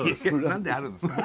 何であるんですか。